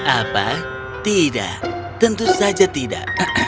apa tidak tentu saja tidak